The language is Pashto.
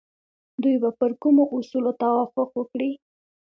دوی به پر کومو اصولو توافق وکړي؟